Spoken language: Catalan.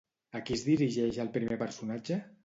A qui es dirigeix el primer personatge?